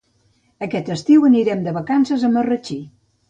Aquest estiu anirem de vacances a Marratxí.